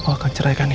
akan ceraikan ini